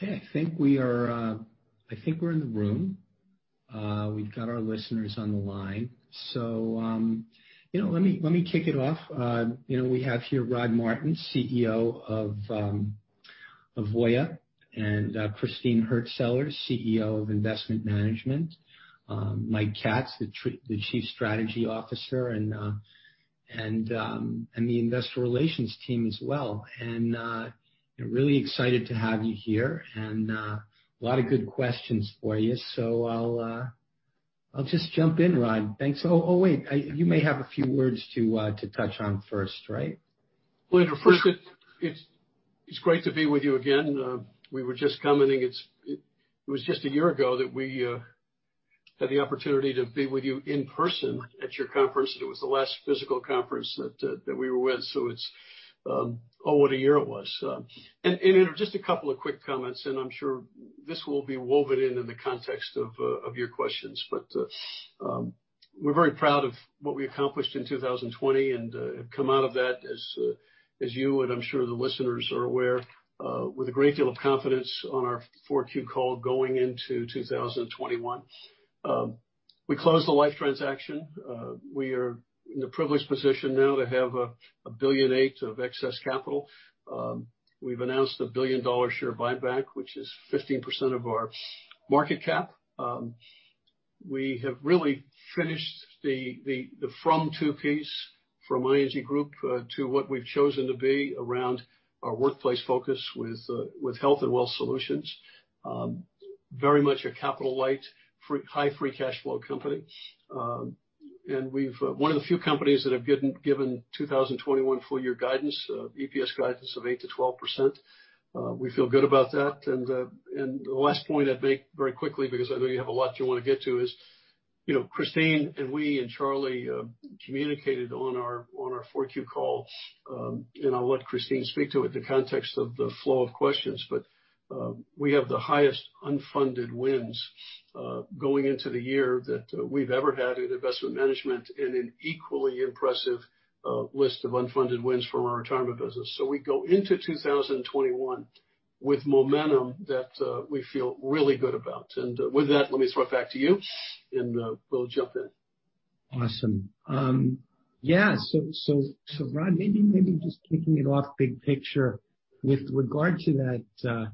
Okay. I think we're in the room. We've got our listeners on the line. Let me kick it off. We have here Rod Martin, CEO of Voya, and Christine Hurtsellers, CEO of Investment Management, Mike Katz, the Chief Strategy Officer, and the investor relations team as well. Really excited to have you here, and a lot of good questions for you. I'll just jump in, Rod. Thanks. Oh, wait, you may have a few words to touch on first, right? Well, Andrew, first, it's great to be with you again. We were just commenting it was just a year ago that we had the opportunity to be with you in person at your conference, and it was the last physical conference that we were with, oh, what a year it was. Andrew, just a couple of quick comments, and I'm sure this will be woven in in the context of your questions. We're very proud of what we accomplished in 2020 and have come out of that, as you and I'm sure the listeners are aware, with a great deal of confidence on our 4Q call going into 2021. We closed the life transaction. We are in the privileged position now to have a billion and eight of excess capital. We've announced a billion-dollar share buyback, which is 15% of our market cap. We have really finished the from two piece from ING Group to what we've chosen to be around our workplace focus with health and wealth solutions. Very much a capital-light, high free cash flow company. We're one of the few companies that have given 2021 full year guidance, EPS guidance of 8%-12%. We feel good about that. The last point I'd make very quickly, because I know you have a lot you want to get to is, Christine and we and Charlie communicated on our 4Q call, and I'll let Christine speak to it in the context of the flow of questions, but we have the highest unfunded wins going into the year that we've ever had in investment management and an equally impressive list of unfunded wins from our retirement business. We go into 2021 with momentum that we feel really good about. With that, let me throw it back to you, and we'll jump in. Awesome. Yeah. Rod, maybe just kicking it off big picture with regard to that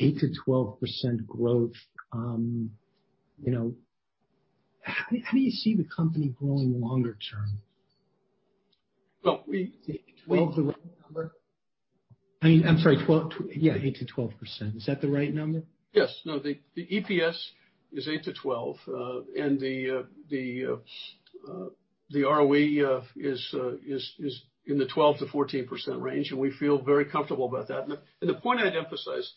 8%-12% growth, how do you see the company growing longer term? Well. Is 12 the right number? I'm sorry, yeah, 8%-12%. Is that the right number? Yes. No, the EPS is 8%-12%, the ROE is in the 12%-14% range, we feel very comfortable about that. The point I'd emphasize,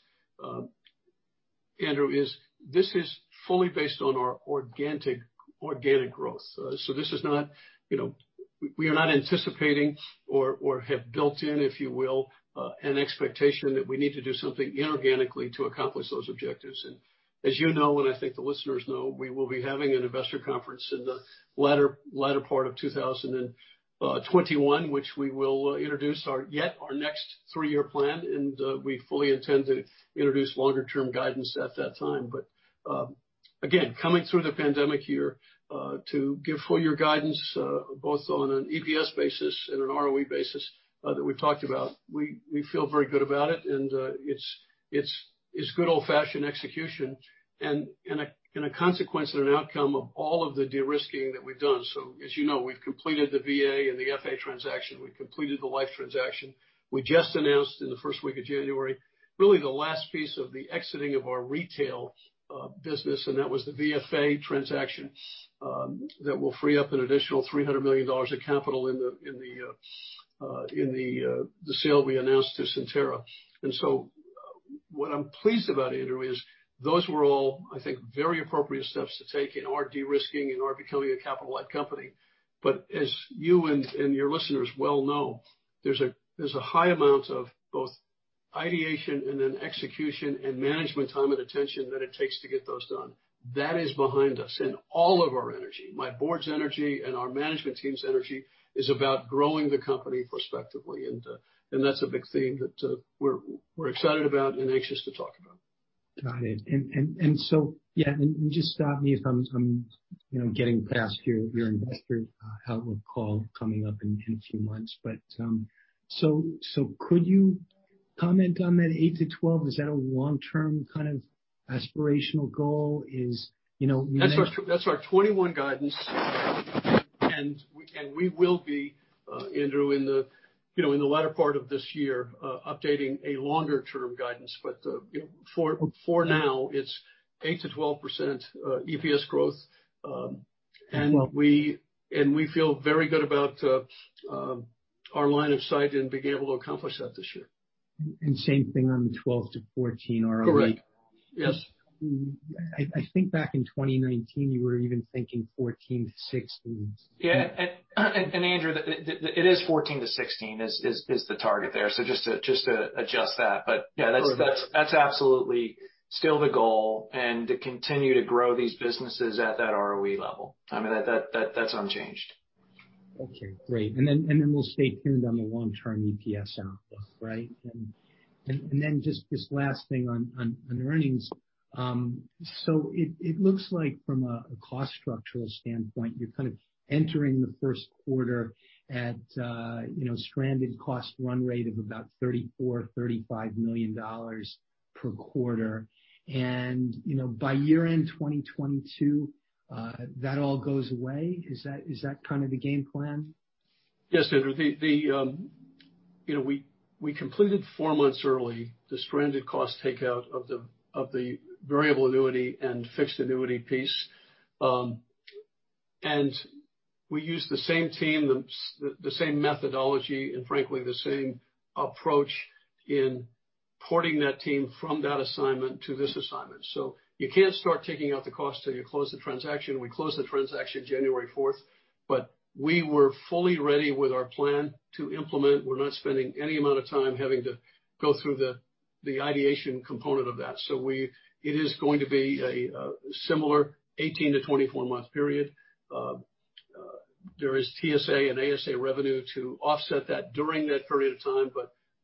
Andrew, is this is fully based on our organic growth. We are not anticipating or have built in, if you will, an expectation that we need to do something inorganically to accomplish those objectives. As you know, and I think the listeners know, we will be having an investor conference in the latter part of 2021, which we will introduce yet our next three-year plan, we fully intend to introduce longer term guidance at that time. Again, coming through the pandemic year to give full year guidance, both on an EPS basis and an ROE basis, that we've talked about, we feel very good about it, and it's good old-fashioned execution and a consequence and an outcome of all of the de-risking that we've done. As you know, we've completed the VA and the FA transaction. We've completed the life transaction. We just announced in the first week of January, really the last piece of the exiting of our retail business, and that was the VFA transaction that will free up an additional $300 million of capital in the sale we announced to Cetera. What I'm pleased about, Andrew, is those were all, I think, very appropriate steps to take in our de-risking and our becoming a capital-light company. As you and your listeners well know, there's a high amount of both ideation and then execution and management time and attention that it takes to get those done. That is behind us, and all of our energy, my board's energy, and our management team's energy is about growing the company prospectively. That's a big theme that we're excited about and anxious to talk about. Got it. Yeah, just stop me if I'm getting past your investor outlook call coming up in a few months. Could you comment on that 8%-12%? Is that a long-term kind of aspirational goal? That's our 2021 guidance. We will be, Andrew, in the latter part of this year, updating a longer term guidance. For now, it's 8%-12% EPS growth. Okay. We feel very good about our line of sight and being able to accomplish that this year. Same thing on the 12%-14% ROE. Correct. Yes. I think back in 2019, you were even thinking 14%-16%. Yeah. Andrew, it is 14%-16% is the target there. Just to adjust that. Correct That's absolutely still the goal and to continue to grow these businesses at that ROE level. I mean, that's unchanged. Okay, great. We'll stay tuned on the long-term EPS outlook. Right? Just this last thing on earnings. It looks like from a cost structural standpoint, you're kind of entering the first quarter at stranded cost run rate of about $34 million-$35 million per quarter. By year-end 2022, that all goes away. Is that kind of the game plan? Yes, Andrew. We completed four months early the stranded cost takeout of the variable annuity and fixed annuity piece. We used the same team, the same methodology, and frankly, the same approach in porting that team from that assignment to this assignment. You can't start taking out the cost till you close the transaction. We closed the transaction January 4th, we were fully ready with our plan to implement. We're not spending any amount of time having to go through the ideation component of that. It is going to be a similar 18-24-month period. There is TSA and ASA revenue to offset that during that period of time,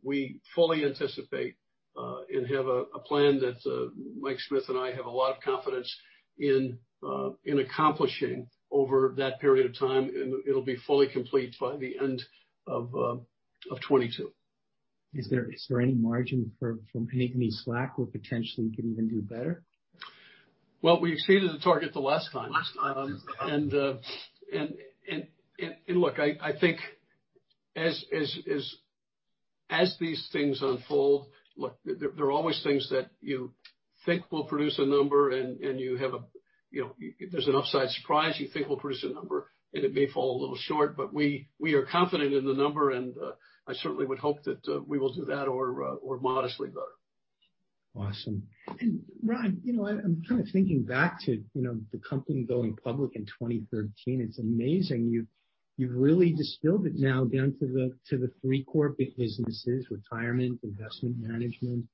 we fully anticipate, and have a plan that Mike Smith and I have a lot of confidence in accomplishing over that period of time, and it'll be fully complete by the end of 2022. Is there any margin from any slack where potentially you can even do better? Well, we exceeded the target the last time. Last time. Look, I think as these things unfold, there are always things that you think will produce a number, and there's an upside surprise you think will produce a number, and it may fall a little short, but we are confident in the number, and I certainly would hope that we will do that or modestly better. Awesome. Rod, I'm kind of thinking back to the company going public in 2013. It's amazing, you've really distilled it now down to the three core big businesses, Retirement, Investment Management,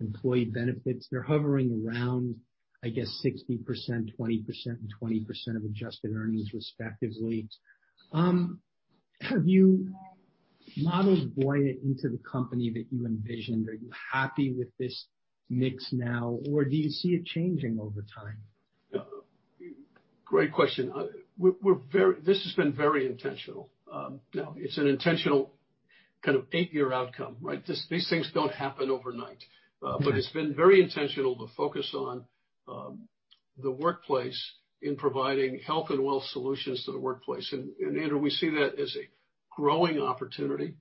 Employee Benefits. They're hovering around, I guess, 60%, 20% and 20% of adjusted earnings respectively. Have you modeled Voya into the company that you envisioned? Are you happy with this mix now, or do you see it changing over time? Great question. This has been very intentional. It's an intentional kind of eight-year outcome, right? These things don't happen overnight. Right. It's been very intentional to focus on the workplace in providing health and wealth solutions to the workplace. Andrew, we see that as a growing opportunity.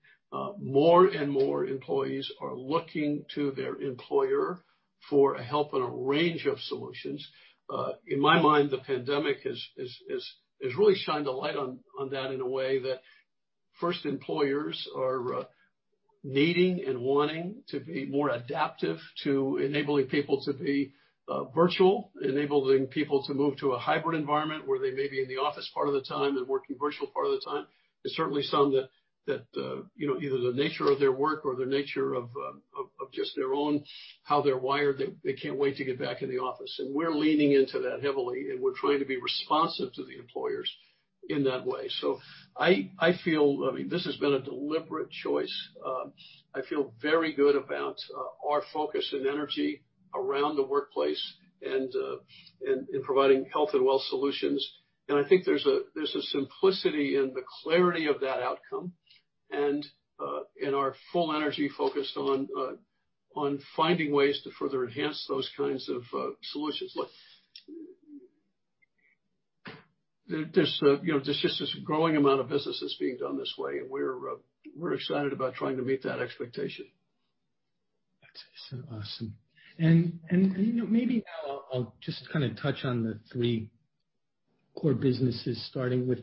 More and more employees are looking to their employer for help in a range of solutions. In my mind, the pandemic has really shined a light on that in a way that first employers are needing and wanting to be more adaptive to enabling people to be virtual, enabling people to move to a hybrid environment where they may be in the office part of the time and working virtual part of the time. There's certainly some that either the nature of their work or the nature of just their own, how they're wired, they can't wait to get back in the office. We're leaning into that heavily, and we're trying to be responsive to the employers in that way. I feel this has been a deliberate choice. I feel very good about our focus and energy around the workplace and in providing health and wealth solutions. I think there's a simplicity in the clarity of that outcome and in our full energy focused on finding ways to further enhance those kinds of solutions. Look, there's just this growing amount of business that's being done this way, and we're excited about trying to meet that expectation. That's awesome. Maybe now I'll just kind of touch on the three core businesses, starting with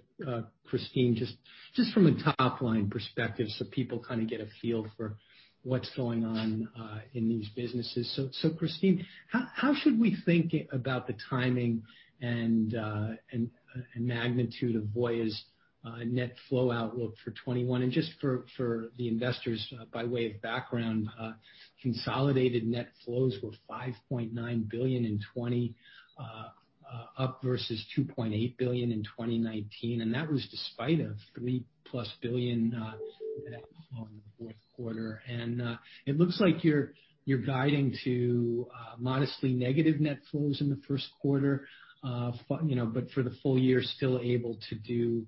Christine, just from a top-line perspective, so people kind of get a feel for what's going on in these businesses. Christine, how should we think about the timing and magnitude of Voya's net flow outlook for 2021? Just for the investors, by way of background, consolidated net flows were $5.9 billion in 2020, up versus $2.8 billion in 2019, and that was despite a $3-plus billion net flow in the fourth quarter. It looks like you're guiding to modestly negative net flows in the first quarter, but for the full year, still able to do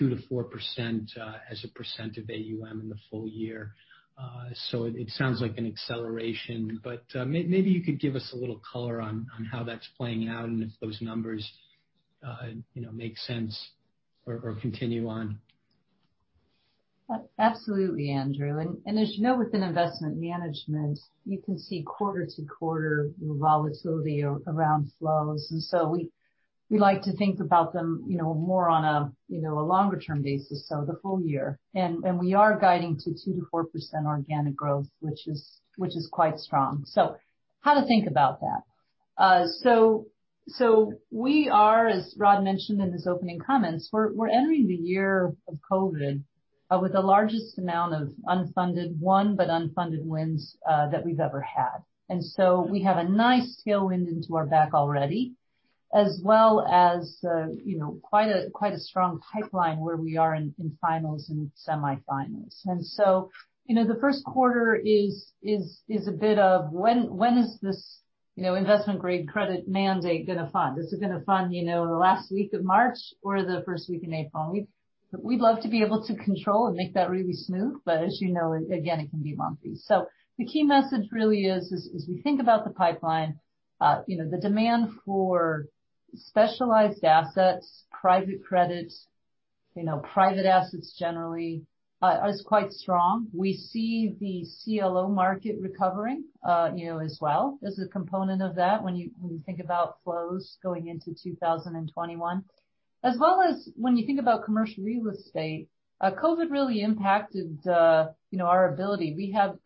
2%-4% as a percent of AUM in the full year. It sounds like an acceleration, maybe you could give us a little color on how that's playing out and if those numbers make sense or continue on. Absolutely, Andrew. As you know, within investment management, you can see quarter to quarter volatility around flows. We like to think about them more on a longer-term basis, the full year. We are guiding to 2%-4% organic growth, which is quite strong. How to think about that. We are, as Rod mentioned in his opening comments, we're entering the year of COVID with the largest amount of unfunded, but unfunded wins that we've ever had. We have a nice tailwind into our back already, as well as quite a strong pipeline where we are in finals and semifinals. The first quarter is a bit of when is this investment grade credit mandate going to fund? Is it going to fund the last week of March or the first week in April? We'd love to be able to control and make that really smooth. As you know, again, it can be lumpy. The key message really is as we think about the pipeline, the demand for specialized assets, private credit, private assets generally, is quite strong. We see the CLO market recovering as well as a component of that when you think about flows going into 2021, as well as when you think about commercial real estate. COVID really impacted our ability. We have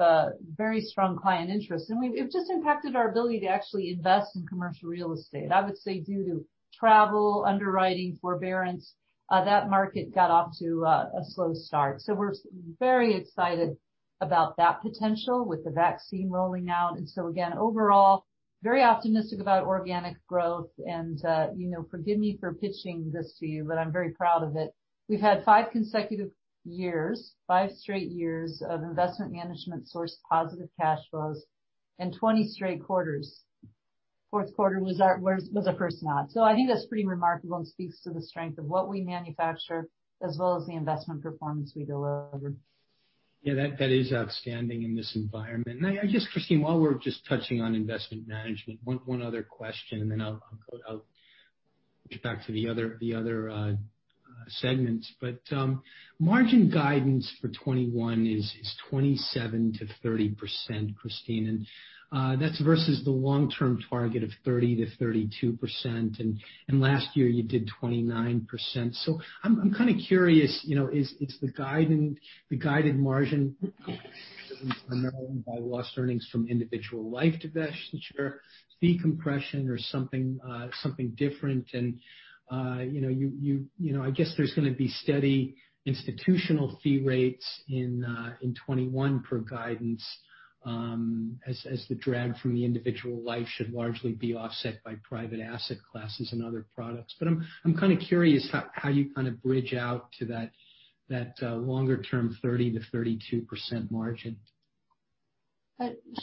very strong client interest, and it just impacted our ability to actually invest in commercial real estate. I would say due to travel, underwriting forbearance, that market got off to a slow start. We're very excited about that potential with the vaccine rolling out. Again, overall, very optimistic about organic growth. Forgive me for pitching this to you, but I'm very proud of it. We've had five consecutive years, five straight years of Investment Management sourced positive cash flows and 20 straight quarters. Fourth quarter was our first nod. I think that's pretty remarkable and speaks to the strength of what we manufacture as well as the investment performance we deliver. That is outstanding in this environment. Just, Christine, while we're just touching on Investment Management, one other question, then I'll get back to the other segments. Margin guidance for 2021 is 27%-30%, Christine, and that's versus the long-term target of 30%-32%. Last year you did 29%. I'm kind of curious, is the guided margin primarily by lost earnings from individual life divestiture, fee compression, or something different? I guess there's going to be steady institutional fee rates in 2021 per guidance as the drag from the individual life should largely be offset by private asset classes and other products. I'm kind of curious how you kind of bridge out to that longer-term 30%-32% margin.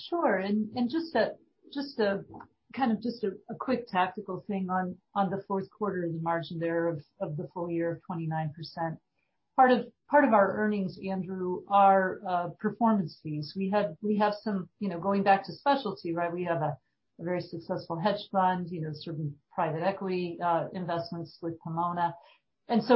Sure. Just a quick tactical thing on the fourth quarter and the margin there of the full year of 29%. Part of our earnings, Andrew, are performance fees. Going back to specialty, we have a very successful hedge fund, certain private equity investments with Pomona.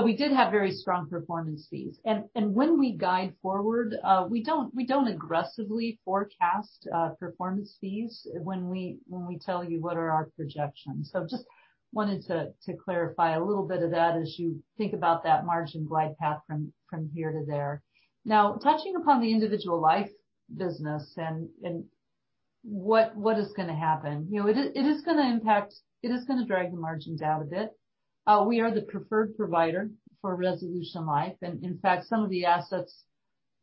We did have very strong performance fees. When we guide forward, we don't aggressively forecast performance fees when we tell you what are our projections. Just wanted to clarify a little bit of that as you think about that margin glide path from here to there. Touching upon the individual life business and what is going to happen. It is going to drag the margins out a bit. We are the preferred provider for Resolution Life. In fact, some of the assets,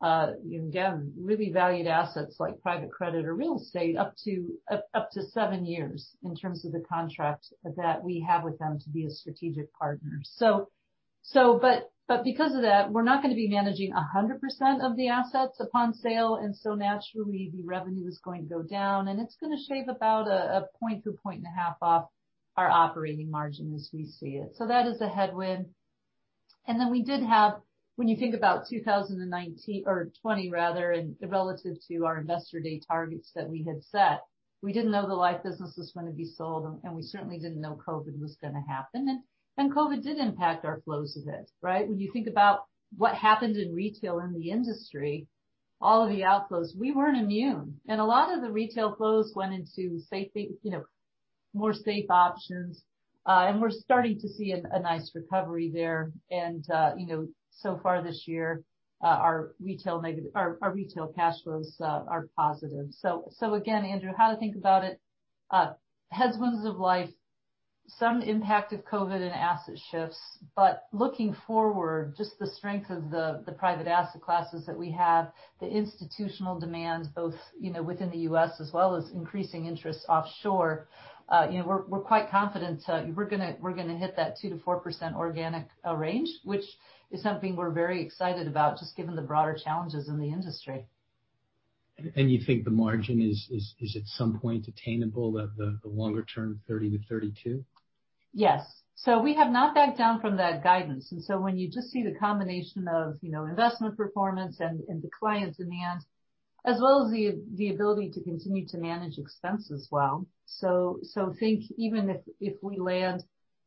again, really valued assets like private credit or real estate, up to seven years in terms of the contract that we have with them to be a strategic partner. Because of that, we're not going to be managing 100% of the assets upon sale. Naturally, the revenue is going to go down, and it's going to shave about a point to a point and a half off our operating margin as we see it. That is a headwind. Then we did have, when you think about 2019, or 2020 rather, and relative to our Investor Day targets that we had set, we didn't know the life business was going to be sold, and we certainly didn't know COVID was going to happen. COVID did impact our flows a bit, right? When you think about what happened in retail in the industry, all of the outflows, we weren't immune. A lot of the retail flows went into more safe options. We're starting to see a nice recovery there. So far this year, our retail cash flows are positive. Again, Andrew, how to think about it, headwinds of life, some impact of COVID and asset shifts. Looking forward, just the strength of the private asset classes that we have, the institutional demands both within the U.S. as well as increasing interest offshore. We're quite confident we're going to hit that 2%-4% organic range, which is something we're very excited about, just given the broader challenges in the industry. You think the margin is at some point attainable, that the longer term 30%-32%? Yes. We have not backed down from that guidance. When you just see the combination of investment performance and the clients' demand, as well as the ability to continue to manage expense as well. Think even if we land,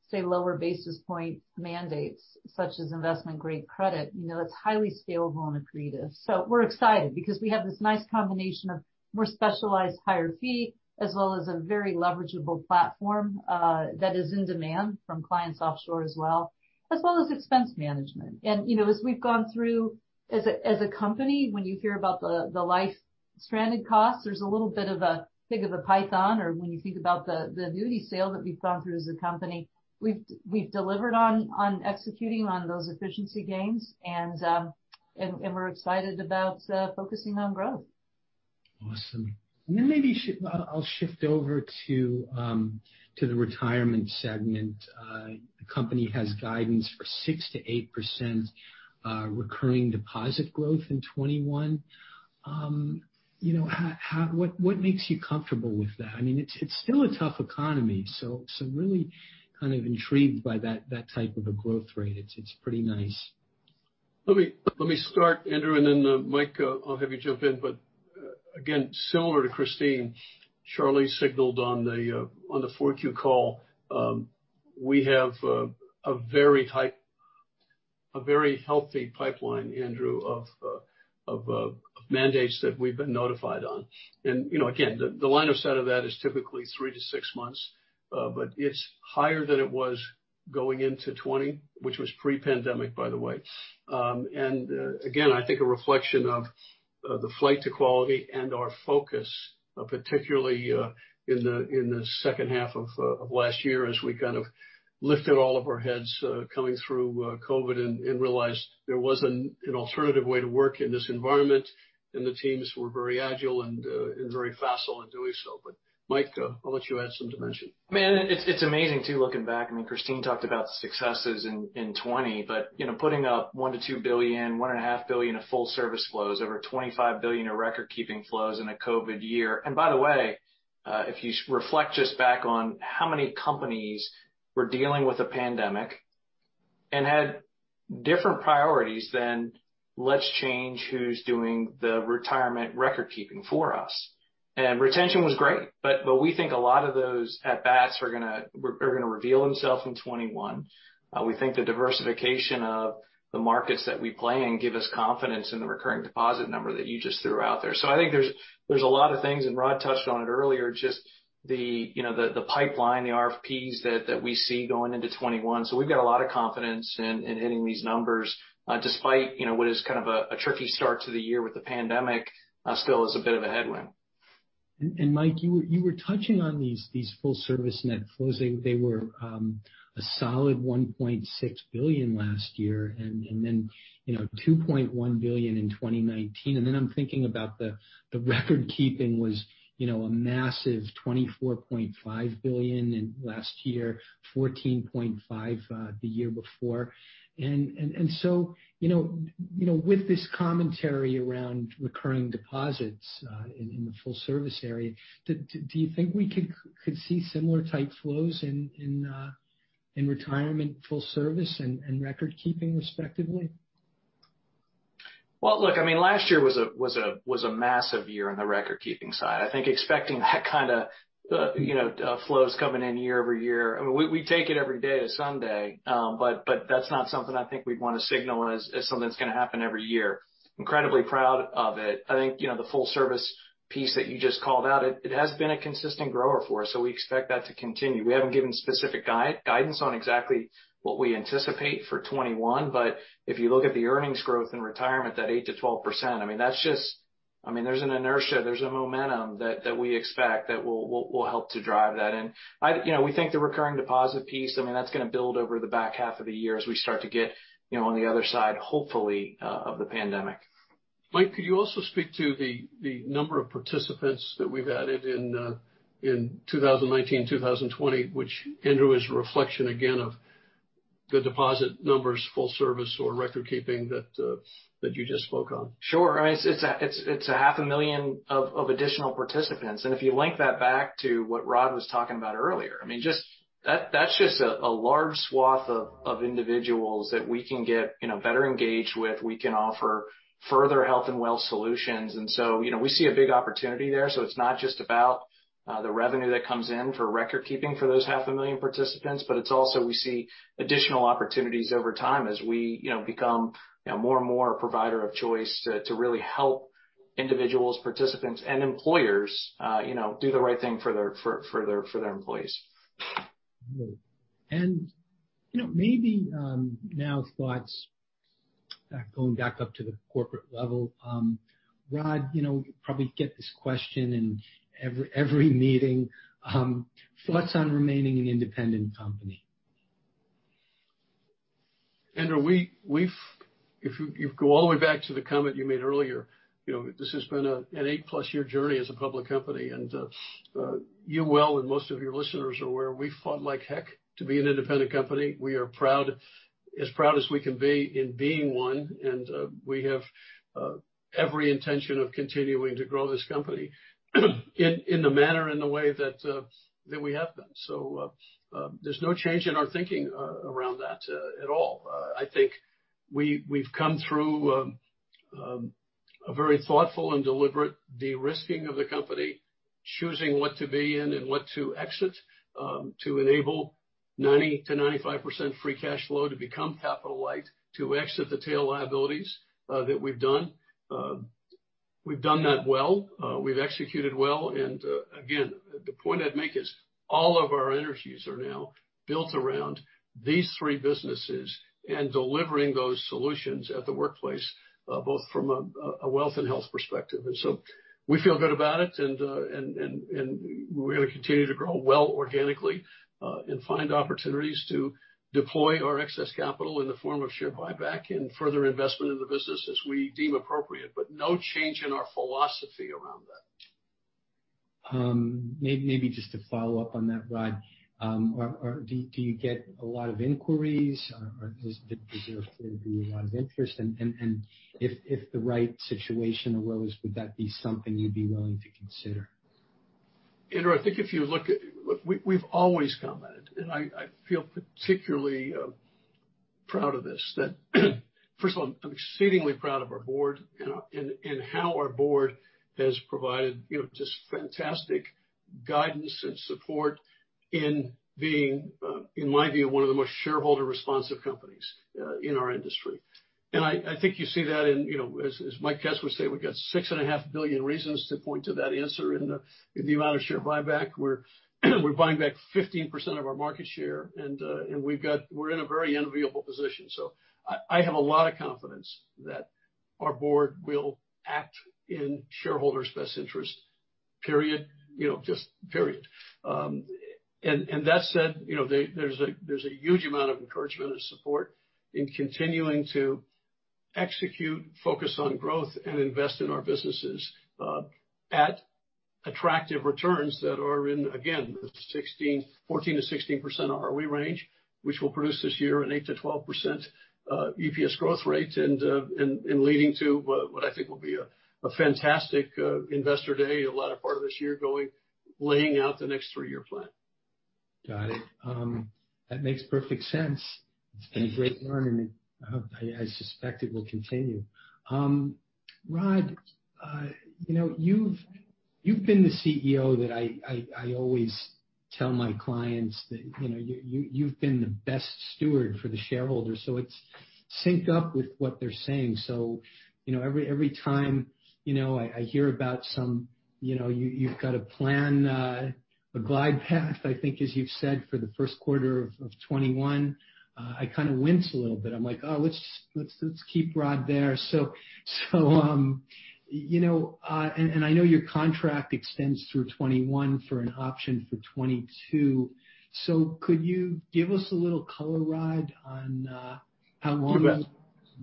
say, lower basis point mandates such as investment grade credit, that's highly scalable and accretive. We're excited because we have this nice combination of more specialized higher fee as well as a very leverageable platform that is in demand from clients offshore as well, as well as expense management. As we've gone through as a company, when you hear about the life stranded costs, there's a little bit of a pig in a python or when you think about the duty sale that we've gone through as a company, we've delivered on executing on those efficiency gains, and we're excited about focusing on growth. Awesome. Maybe I'll shift over to the Retirement segment. The company has guidance for 6%-8% recurring deposit growth in 2021. What makes you comfortable with that? It's still a tough economy, really kind of intrigued by that type of a growth rate. It's pretty nice. Let me start, Andrew, then Mike, I'll have you jump in. Again, similar to Christine, Charlie signaled on the 4Q call. We have a very healthy pipeline, Andrew, of mandates that we've been notified on. Again, the line of sight of that is typically 3-6 months, but it's higher than it was going into 2020, which was pre-pandemic, by the way. Again, I think a reflection of the flight to quality and our focus, particularly in the second half of last year as we kind of lifted all of our heads coming through COVID and realized there was an alternative way to work in this environment, and the teams were very agile and very facile in doing so. Mike, I'll let you add some dimension. Man, it's amazing too, looking back. Christine talked about successes in 2020. Putting up $1 billion-$2 billion, $1.5 billion of full service flows, over $25 billion of record keeping flows in a COVID year. By the way, if you reflect just back on how many companies were dealing with a pandemic and had different priorities than let's change who's doing the retirement record keeping for us. Retention was great, but we think a lot of those at-bats are going to reveal themselves in 2021. We think the diversification of the markets that we play in give us confidence in the recurring deposit number that you just threw out there. I think there's a lot of things, and Rod touched on it earlier, just the pipeline, the RFPs that we see going into 2021. We've got a lot of confidence in hitting these numbers, despite what is kind of a tricky start to the year with the pandemic still is a bit of a headwind. Mike, you were touching on these full service net flows. They were a solid $1.6 billion last year, $2.1 billion in 2019. I'm thinking about the record keeping was a massive $24.5 billion last year, $14.5 billion the year before. With this commentary around recurring deposits in the full service area, do you think we could see similar type flows in retirement full service and record keeping, respectively? Well, last year was a massive year on the record keeping side. I think expecting that kind of flows coming in year-over-year, we take it every day as Sunday. That's not something I think we'd want to signal as something that's going to happen every year. Incredibly proud of it. I think the full service piece that you just called out, it has been a consistent grower for us, so we expect that to continue. We haven't given specific guidance on exactly what we anticipate for 2021. If you look at the earnings growth in Retirement, that 8%-12%, there's an inertia, there's a momentum that we expect that will help to drive that in. We think the recurring deposit piece, that's going to build over the back half of the year as we start to get on the other side, hopefully, of the pandemic. Mike, could you also speak to the number of participants that we've added in 2019, 2020, which, Andrew, is a reflection again of the deposit numbers, full service or record keeping that you just spoke on. Sure. It's a half a million of additional participants. If you link that back to what Rod was talking about earlier, that's just a large swath of individuals that we can get better engaged with. We can offer further health and wealth solutions. We see a big opportunity there. It's not just about the revenue that comes in for record keeping for those half a million participants, but it's also we see additional opportunities over time as we become more and more a provider of choice to really help individuals, participants, and employers do the right thing for their employees. Maybe now thoughts going back up to the corporate level. Rod, you probably get this question in every meeting. Thoughts on remaining an independent company. Andrew, if you go all the way back to the comment you made earlier, this has been an 8-plus year journey as a public company, you well and most of your listeners are aware we fought like heck to be an independent company. We are as proud as we can be in being one, and we have every intention of continuing to grow this company in the manner and the way that we have been. There's no change in our thinking around that at all. I think we've come through a very thoughtful and deliberate de-risking of the company, choosing what to be in and what to exit to enable 90%-95% free cash flow to become capital light, to exit the tail liabilities that we've done. We've done that well. We've executed well. The point I'd make is all of our energies are now built around these 3 businesses and delivering those solutions at the workplace, both from a wealth and health perspective. We feel good about it, and we're going to continue to grow well organically, and find opportunities to deploy our excess capital in the form of share buyback and further investment in the business as we deem appropriate, no change in our philosophy around that. Maybe just to follow up on that, Rod. Do you get a lot of inquiries, or does there appear to be a lot of interest? If the right situation arose, would that be something you'd be willing to consider? Andrew, I think if you look, we've always commented, I feel particularly proud of this. First of all, I'm exceedingly proud of our board and how our board has provided just fantastic guidance and support in being, in my view, one of the most shareholder-responsive companies in our industry. I think you see that as Mike Katz would say, we've got $6.5 billion reasons to point to that answer in the amount of share buyback, we're buying back 15% of our market share, we're in a very enviable position. I have a lot of confidence that our board will act in shareholders' best interest, period. Just period. That said, there's a huge amount of encouragement and support in continuing to execute, focus on growth, and invest in our businesses at attractive returns that are in, again, 14%-16% ROE range, which will produce this year an 8%-12% EPS growth rate, leading to what I think will be a fantastic investor day the latter part of this year, laying out the next three-year plan. Got it. That makes perfect sense. It's been a great run, I suspect it will continue. Rod, you've been the CEO that I always tell my clients that you've been the best steward for the shareholders, it syncs up with what they're saying. Every time I hear about some, you've got a plan, a glide path I think as you've said, for the first quarter of 2021, I kind of wince a little bit. I'm like, "Oh, let's keep Rod there." I know your contract extends through 2021 for an option for 2022. Could you give us a little color, Rod, on how long-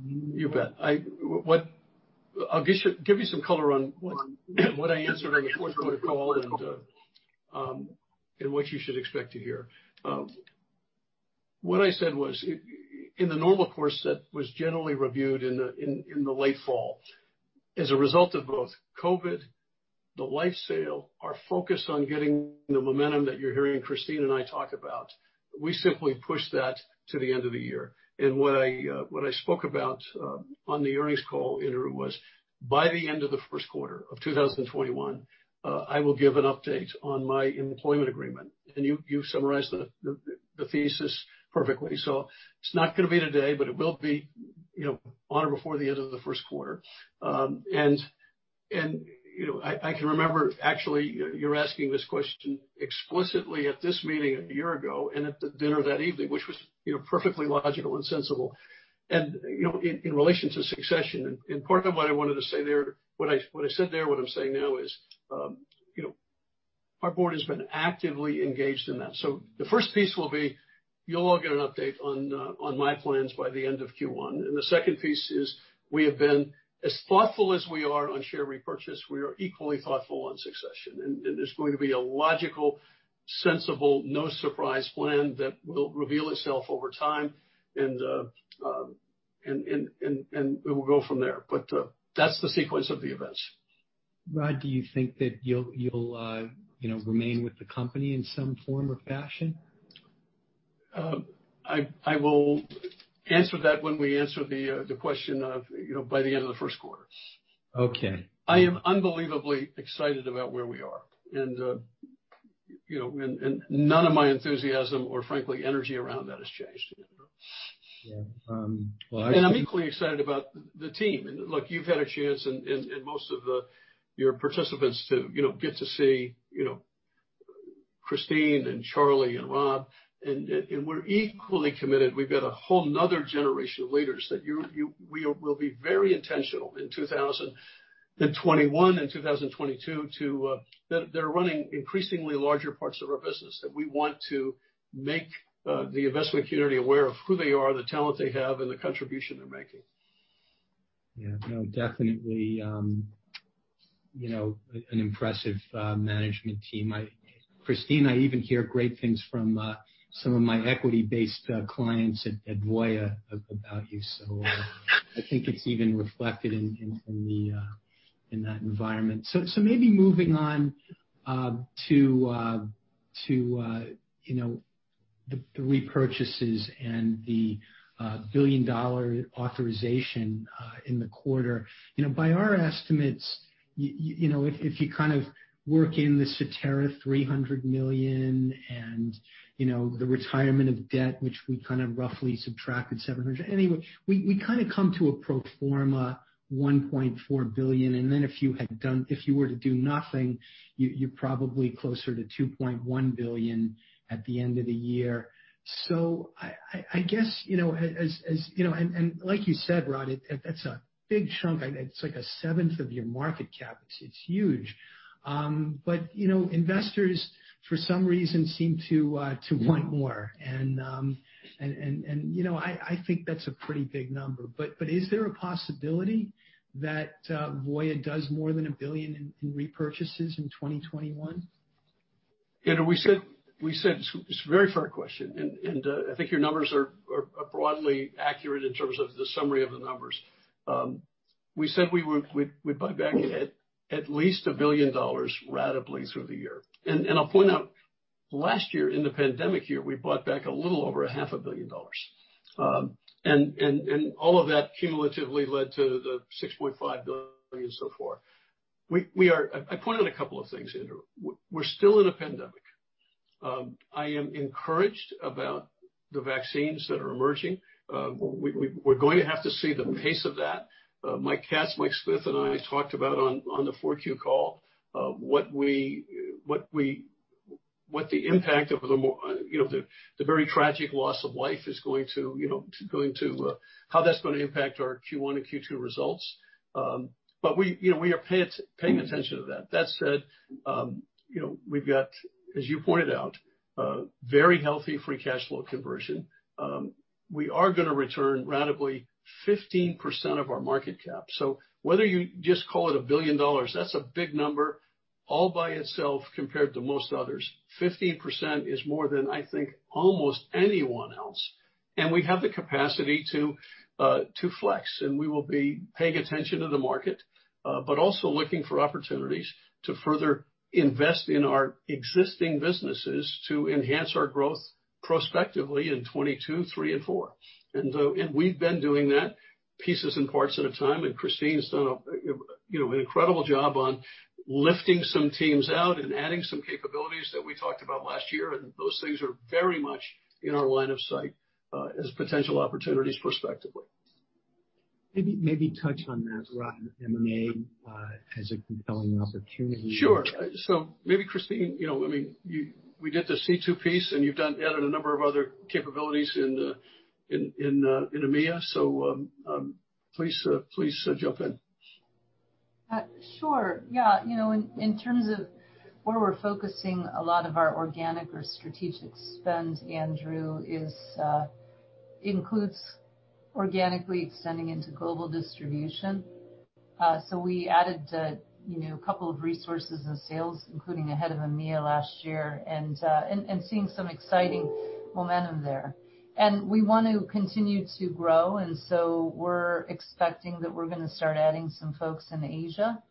You bet. I'll give you some color on what I answered on the fourth quarter call and what you should expect to hear. What I said was, in the normal course, that was generally reviewed in the late fall. As a result of both COVID, the life sale, our focus on getting the momentum that you're hearing Christine and I talk about, we simply pushed that to the end of the year. What I spoke about on the earnings call, Andrew, was by the end of the first quarter of 2021, I will give an update on my employment agreement. You summarized the thesis perfectly. It's not going to be today, but it will be on or before the end of the first quarter. I can remember actually, you're asking this question explicitly at this meeting a year ago and at the dinner that evening, which was perfectly logical and sensible. In relation to succession, part of what I said there, what I'm saying now is, our board has been actively engaged in that. The first piece will be, you'll all get an update on my plans by the end of Q1. The second piece is, we have been as thoughtful as we are on share repurchase, we are equally thoughtful on succession. There's going to be a logical, sensible, no-surprise plan that will reveal itself over time, and we will go from there. That's the sequence of the events. Rod, do you think that you'll remain with the company in some form or fashion? I will answer that when we answer the question of by the end of the first quarter. Okay. I am unbelievably excited about where we are. None of my enthusiasm or frankly, energy around that has changed, Andrew. Yeah. Well, I think I'm equally excited about the team. Look, you've had a chance, and most of your participants too, get to see Christine and Charlie and Rob, we're equally committed. We've got a whole another generation of leaders that we will be very intentional in 2021 and 2022. They're running increasingly larger parts of our business, that we want to make the investment community aware of who they are, the talent they have, and the contribution they're making. Yeah. No, definitely, an impressive management team. Christine, I even hear great things from some of my equity-based clients at Voya about you. I think it's even reflected in that environment. Maybe moving on to the repurchases and the $1 billion authorization in the quarter. By our estimates, if you work in the Cetera $300 million and the retirement of debt, which we roughly subtracted $700. Anyway, we come to a pro forma $1.4 billion, and then if you were to do nothing, you're probably closer to $2.1 billion at the end of the year. I guess, and like you said, Rod, that's a big chunk. It's like a seventh of your market cap. It's huge. Investors, for some reason, seem to want more. I think that's a pretty big number. Is there a possibility that Voya does more than $1 billion in repurchases in 2021? Andrew, it's a very fair question. I think your numbers are broadly accurate in terms of the summary of the numbers. We said we'd buy back at least $1 billion ratably through the year. I'll point out, last year, in the pandemic year, we bought back a little over a half a billion dollars. All of that cumulatively led to the $6.5 billion so far. I pointed out a couple of things, Andrew. We're still in a pandemic. I am encouraged about the vaccines that are emerging. We're going to have to see the pace of that. Mike Katz, Mike Smith, and I talked about on the 4Q call what the impact of the very tragic loss of life, how that's going to impact our Q1 and Q2 results. We are paying attention to that. That said, we've got, as you pointed out, very healthy free cash flow conversion. We are going to return ratably 15% of our market cap. Whether you just call it $1 billion, that's a big number all by itself compared to most others. 15% is more than I think almost anyone else. We have the capacity to flex, and we will be paying attention to the market, but also looking for opportunities to further invest in our existing businesses to enhance our growth prospectively in 2022, 2023, and 2024. We've been doing that, pieces and parts at a time. Christine's done an incredible job on lifting some teams out and adding some capabilities that we talked about last year. Those things are very much in our line of sight as potential opportunities prospectively. Maybe touch on that, Rod, M&A as a compelling opportunity. Sure. Maybe Christine, we did the C-2 piece, and you've added a number of other capabilities in EMEA. Please jump in. Sure. Yeah. In terms of where we're focusing a lot of our organic or strategic spend, Andrew, includes organically extending into global distribution. We added a couple of resources in sales, including a head of EMEA last year, and seeing some exciting momentum there. We want to continue to grow, and we're expecting that we're going to start adding some folks in Asia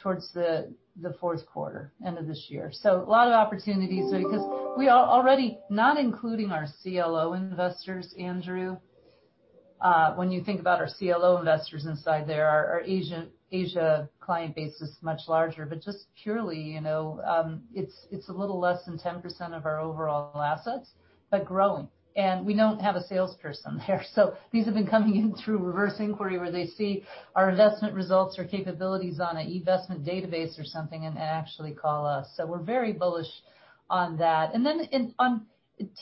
towards the fourth quarter, end of this year. A lot of opportunities there because we are already, not including our CLO investors, Andrew. When you think about our CLO investors inside there, our Asia client base is much larger, but just purely, it's a little less than 10% of our overall assets, but growing. We don't have a salesperson there, these have been coming in through reverse inquiry where they see our investment results or capabilities on an eVestment database or something and actually call us. We're very bullish on that. Then on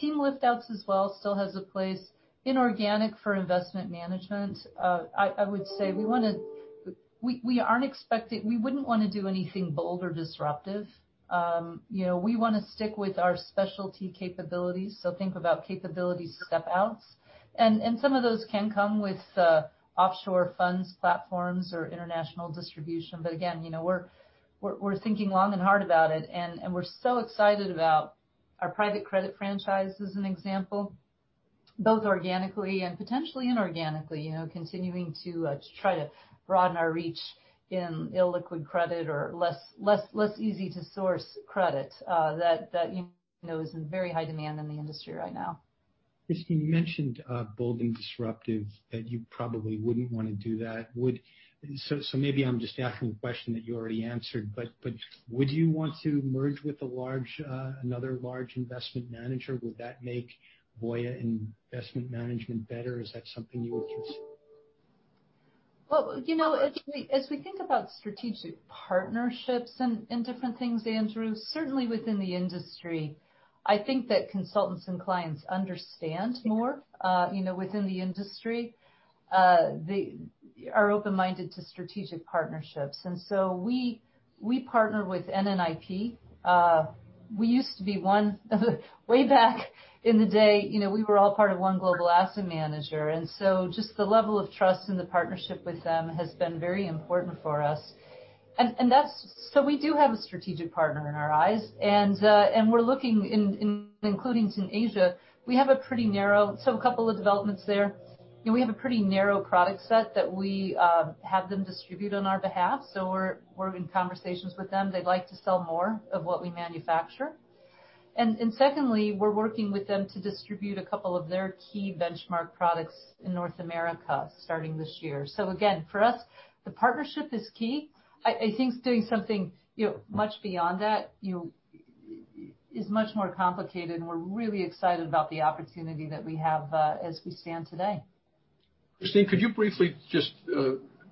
team lift-outs as well, still has a place inorganic for investment management. I would say we wouldn't want to do anything bold or disruptive. We want to stick with our specialty capabilities, so think about capability step outs. Some of those can come with offshore funds platforms or international distribution. Again, we're thinking long and hard about it, and we're so excited about our private credit franchise as an example, both organically and potentially inorganically, continuing to try to broaden our reach in illiquid credit or less easy to source credit that is in very high demand in the industry right now. Christine, you mentioned bold and disruptive, that you probably wouldn't want to do that. Maybe I'm just asking a question that you already answered, but would you want to merge with another large investment manager? Would that make Voya Investment Management better? Is that something you would consider? Well, as we think about strategic partnerships and different things, Andrew, certainly within the industry, I think that consultants and clients understand more within the industry. They are open-minded to strategic partnerships. We partner with NNIP. Way back in the day, we were all part of one global asset manager, just the level of trust and the partnership with them has been very important for us. We do have a strategic partner in our eyes, and we're looking including to Asia. A couple of developments there. We have a pretty narrow product set that we have them distribute on our behalf, so we're in conversations with them. They'd like to sell more of what we manufacture. Secondly, we're working with them to distribute a couple of their key benchmark products in North America starting this year. Again, for us, the partnership is key. I think doing something much beyond that is much more complicated, and we're really excited about the opportunity that we have as we stand today. Christine, could you briefly just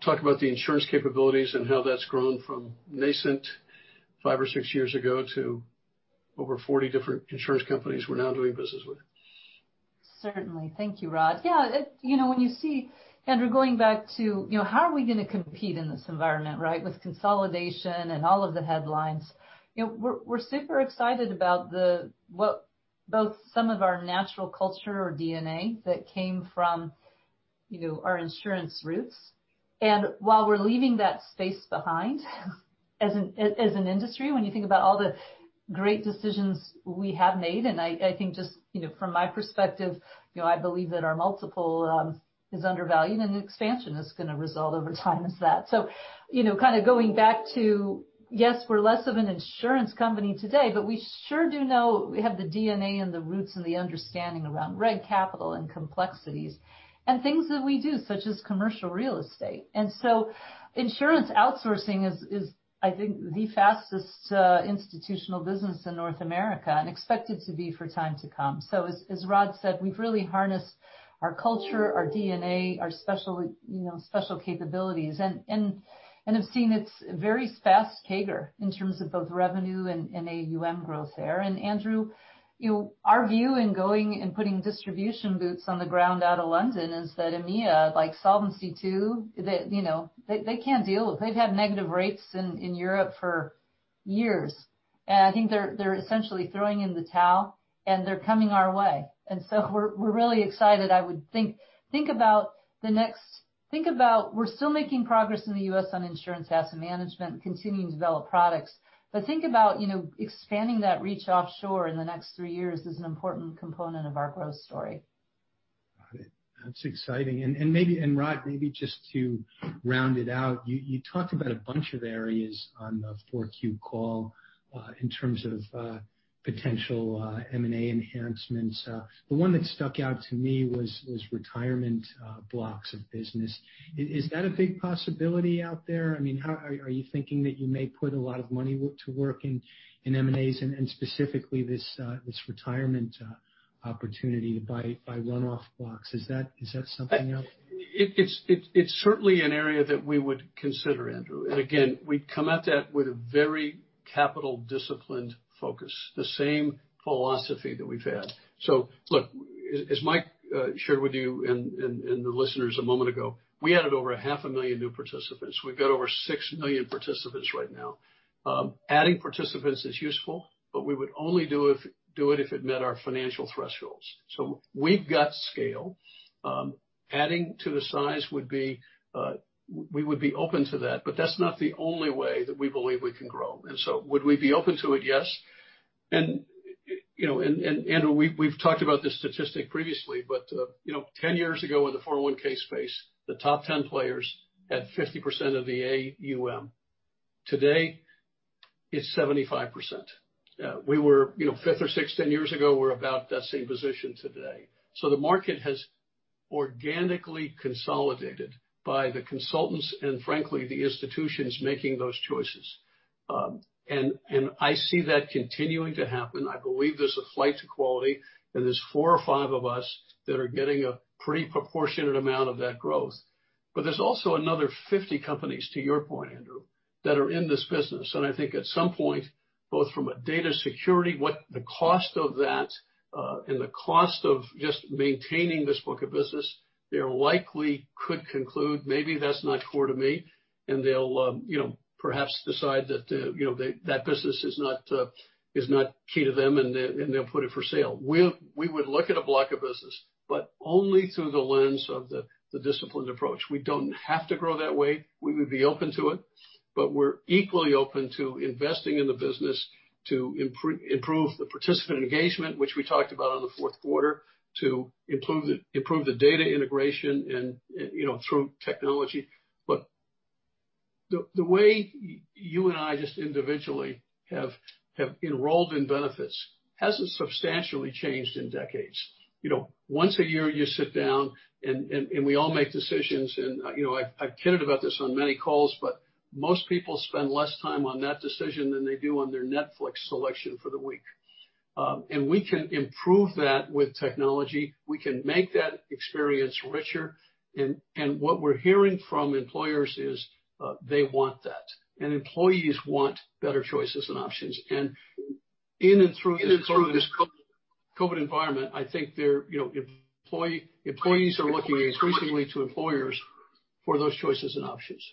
talk about the insurance capabilities and how that's grown from nascent five or six years ago to over 40 different insurance companies we're now doing business with? Certainly. Thank you, Rod. Andrew, going back to how are we going to compete in this environment, with consolidation and all of the headlines. We're super excited about both some of our natural culture or DNA that came from our insurance roots. While we're leaving that space behind as an industry, when you think about all the great decisions we have made, I think just from my perspective, I believe that our multiple is undervalued and expansion is going to result over time as that. Going back to, yes, we're less of an insurance company today, but we sure do know we have the DNA and the roots and the understanding around reg capital and complexities and things that we do, such as commercial real estate. Insurance outsourcing is, I think, the fastest institutional business in North America and expected to be for time to come. As Rod said, we've really harnessed our culture, our DNA, our special capabilities, and have seen its very fast CAGR in terms of both revenue and AUM growth there. Andrew, our view in going and putting distribution boots on the ground out of London is that EMEA, like Solvency II, they can't deal. They've had negative rates in Europe for years. I think they're essentially throwing in the towel and they're coming our way. We're really excited. We're still making progress in the U.S. on insurance asset management, continuing to develop products. Think about expanding that reach offshore in the next three years is an important component of our growth story. Got it. That's exciting. Rod, maybe just to round it out, you talked about a bunch of areas on the Q4 call in terms of potential M&A enhancements. The one that stuck out to me was retirement blocks of business. Is that a big possibility out there? Are you thinking that you may put a lot of money to work in M&A and specifically this retirement opportunity to buy one-off blocks? Is that something out there? It's certainly an area that we would consider, Andrew. Again, we'd come at that with a very capital disciplined focus, the same philosophy that we've had. Look, as Mike shared with you and the listeners a moment ago, we added over half a million new participants. We've got over 6 million participants right now. Adding participants is useful, but we would only do it if it met our financial thresholds. We've got scale. Adding to the size, we would be open to that, but that's not the only way that we believe we can grow. Would we be open to it? Yes. Andrew, we've talked about this statistic previously, but 10 years ago in the 401(k) space, the top 10 players had 50% of the AUM. Today, it's 75%. We were fifth or sixth 10 years ago, we're about that same position today. The market has organically consolidated by the consultants and frankly, the institutions making those choices. I see that continuing to happen. I believe there's a flight to quality, and there's four or five of us that are getting a pretty proportionate amount of that growth. There's also another 50 companies, to your point, Andrew, that are in this business. I think at some point, both from a data security, what the cost of that, and the cost of just maintaining this book of business, they likely could conclude, maybe that's not core to me, and they'll perhaps decide that that business is not key to them, and they'll put it for sale. We would look at a block of business, but only through the lens of the disciplined approach. We don't have to grow that way. We would be open to it, we're equally open to investing in the business to improve the participant engagement, which we talked about on the fourth quarter, to improve the data integration through technology. The way you and I just individually have enrolled in benefits hasn't substantially changed in decades. Once a year, you sit down, and we all make decisions. I've kidded about this on many calls, but most people spend less time on that decision than they do on their Netflix selection for the week. We can improve that with technology. We can make that experience richer. What we're hearing from employers is they want that. Employees want better choices and options. In and through this COVID environment, I think employees are looking increasingly to employers for those choices and options.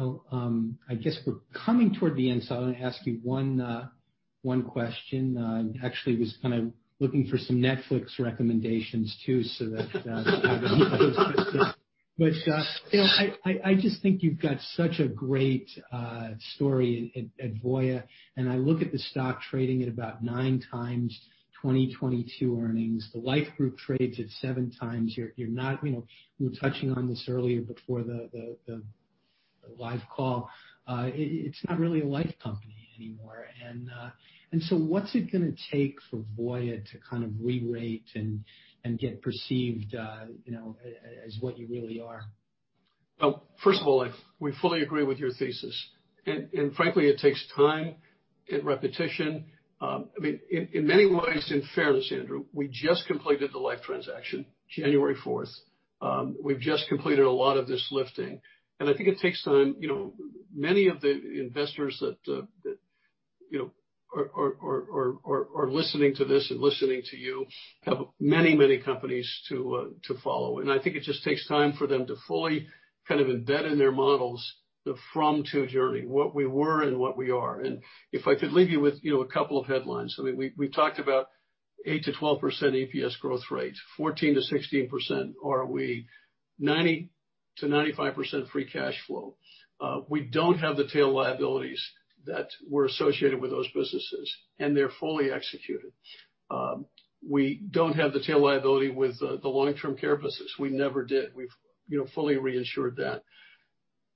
I guess we're coming toward the end, so I want to ask you one question. Actually, I was kind of looking for some Netflix recommendations, too. I just think you've got such a great story at Voya, and I look at the stock trading at about nine times 2022 earnings. The Life group trades at seven times. We were touching on this earlier before the A live call. It's not really a life company anymore. What's it going to take for Voya to kind of re-rate and get perceived as what you really are? First of all, we fully agree with your thesis. Frankly, it takes time and repetition. In many ways, in fairness, Andrew, we just completed the life transaction January 4th. We've just completed a lot of this lifting, and I think it takes time. Many of the investors that are listening to this and listening to you have many companies to follow. I think it just takes time for them to fully embed in their models the from-to journey, what we were and what we are. If I could leave you with a couple of headlines. We talked about 8%-12% EPS growth rate, 14%-16% ROE, 90%-95% free cash flow. We don't have the tail liabilities that were associated with those businesses, and they're fully executed. We don't have the tail liability with the long-term care business. We never did. We've fully reinsured that.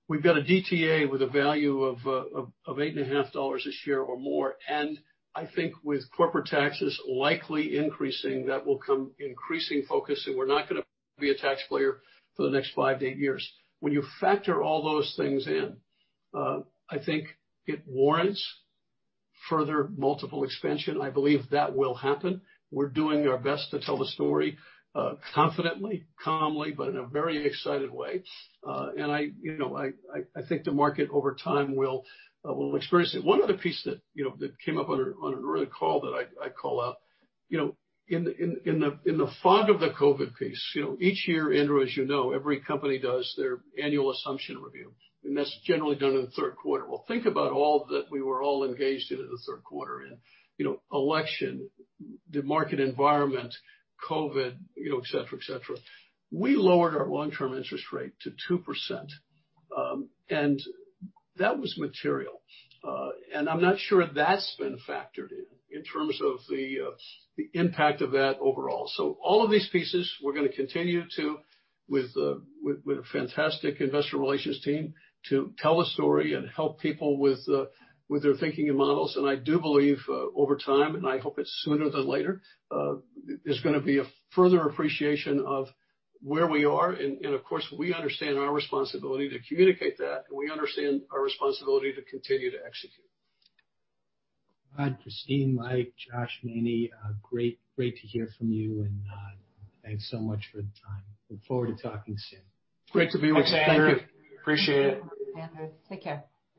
We've got a DTA with a value of $8.50 a share or more, and I think with corporate taxes likely increasing, that will come increasing focus, and we're not going to be a tax player for the next five to eight years. When you factor all those things in, I think it warrants further multiple expansion. I believe that will happen. We're doing our best to tell the story confidently, calmly, but in a very excited way. I think the market over time will experience it. One other piece that came up on an earlier call that I call out. In the fog of the COVID piece, each year, Andrew, as you know, every company does their annual assumption review, and that's generally done in the third quarter. Well, think about all that we were all engaged in in the third quarter, election, the market environment, COVID, et cetera. We lowered our long-term interest rate to 2%, and that was material. I'm not sure that's been factored in terms of the impact of that overall. All of these pieces, we're going to continue to, with a fantastic investor relations team, to tell the story and help people with their thinking and models. I do believe over time, and I hope it's sooner than later, there's going to be a further appreciation of where we are. Of course, we understand our responsibility to communicate that, and we understand our responsibility to continue to execute. Christine, Mike, Josh, Rodney, great to hear from you, and thanks so much for the time. Look forward to talking soon. Great to be with you, Andrew. Thanks, Andrew. Appreciate it. Andrew, take care.